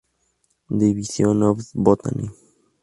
Division of Botany.